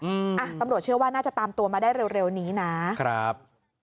อืมอ่ะตำรวจเชื่อว่าน่าจะตามตัวมาได้เร็วเร็วนี้นะครับ